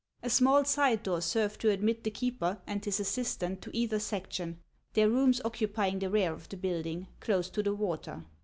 A small side door served to admit the keeper and his assistant to either section, their rooms occupying the rear of the building, close to the water.